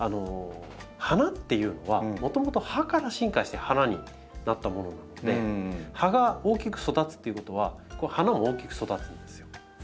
花っていうのはもともと葉から進化して花になったものなので葉が大きく育つっていうことは花も大きく育つんですよ。